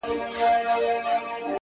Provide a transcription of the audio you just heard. څڼي سرې شونډي تكي تـوري سترگي-